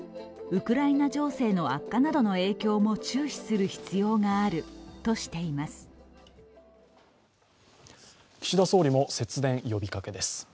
ウクライナ情勢の悪化などの影響も注視する必要があるとしています。